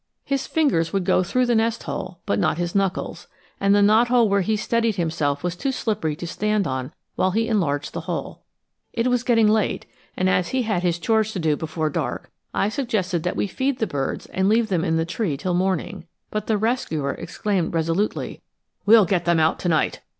His fingers would go through the nest hole, but not his knuckles, and the knothole where he steadied himself was too slippery to stand on while he enlarged the hole. It was getting late, and as he had his chores to do before dark I suggested that we feed the birds and leave them in the tree till morning; but the rescuer exclaimed resolutely, "We'll get them out to night!"